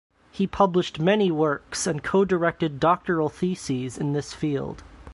He published many works and co-directed doctoral theses in this field.